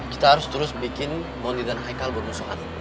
kita harus terus bikin mondi dan haikal bermusuhan